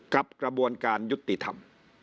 กระบวนการยุติธรรม